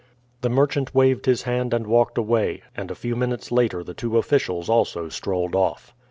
The merchant waved his hand and walked away, and a few minutes later the two officials also strolled off.